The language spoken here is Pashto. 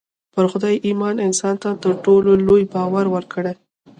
پر خدای ايمان انسان ته تر ټولو لوی باور ورکوي.